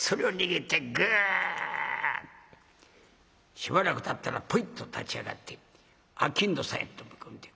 しばらくたったらポイッと立ち上がって商人さんへ飛び込んでいく。